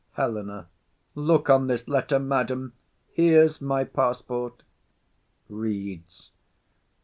HELENA. Look on this letter, madam; here's my passport. [_Reads.